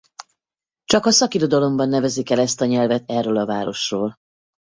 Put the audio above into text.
Csak a szakirodalomban nevezik el ezt a nyelvet erről a városról.